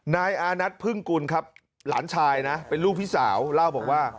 นายอานัทพึ่งกุลครับหลานชายนะเป็นลูกพี่สาวเล่าบอกว่า